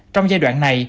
trong giai đoạn này